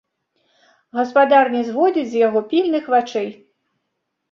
Гаспадар не зводзіць з яго пільных вачэй.